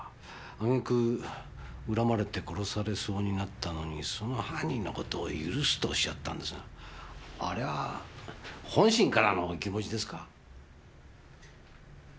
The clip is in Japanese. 挙げ句恨まれて殺されそうになったのにその犯人の事を許すとおっしゃったんですがあれは本心からのお気持ちですか？